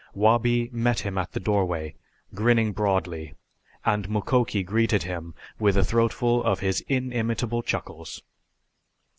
Wabi met him in the doorway, grinning broadly, and Mukoki greeted him with a throatful of his inimitable chuckles.